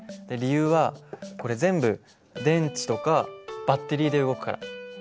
理由はこれ全部電池とかバッテリーで動くから。